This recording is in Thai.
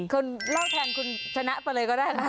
คุณเล่าแทนคุณชนะไปเลยก็ได้นะ